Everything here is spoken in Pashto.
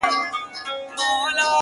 چی را یادي می ساده ورځی زلمۍ سي -